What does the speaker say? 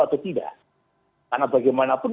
atau tidak karena bagaimanapun